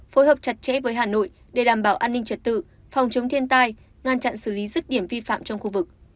phối hợp chặt chẽ với hà nội để đảm bảo an ninh trật tự phòng chống thiên tai ngăn chặn xử lý rứt điểm vi phạm trong khu vực